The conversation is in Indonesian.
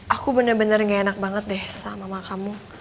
aku benar benar gak enak banget deh sama mama kamu